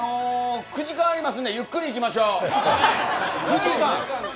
９時間ありますのでゆっくりいきましょう。